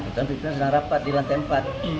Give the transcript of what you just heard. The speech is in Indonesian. kebetulan pimpinan sedang rapat di lantai empat